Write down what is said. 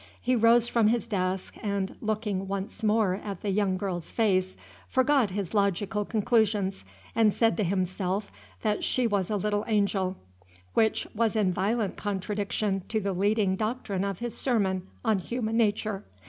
He rose from his desk, and, looking once more at the young girl's face, forgot his logical conclusions, and said to himself that she was a little angel, which was in violent contradiction to the leading doctrine of his sermon on Human Nature.